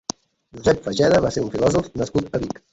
Josep Fageda va ser un filòsof nascut a Vic.